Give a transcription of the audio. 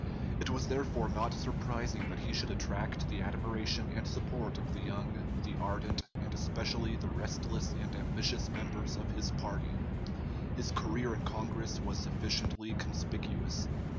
It was therefore not surprising that he should attract the admiration and support of the young, the ardent, and especially the restless and ambitious members of his party. His career in Congress was sufficiently conspicuous.